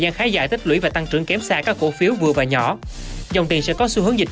gian khá dài tích lũy và tăng trưởng kém xa các cổ phiếu vừa và nhỏ dòng tiền sẽ có xu hướng dịch